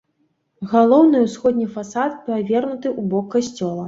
Галоўны ўсходні фасад павернуты ў бок касцёла.